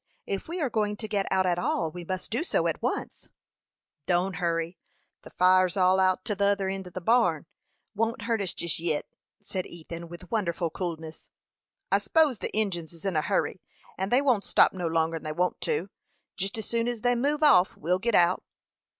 If we are going to get out at all, we must do so at once." "Don't hurry. The fire's all out to t'other end o' the barn. It won't hurt us jest yit," said Ethan, with wonderful coolness. "I s'pose the Injins is in a hurry, and they won't stop no longer'n they want to. Jest as soon as they move off we'll git out."